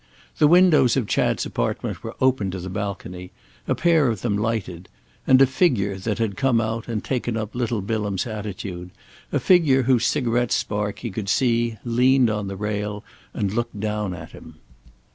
The windows of Chad's apartment were open to the balcony—a pair of them lighted; and a figure that had come out and taken up little Bilham's attitude, a figure whose cigarette spark he could see leaned on the rail and looked down at him.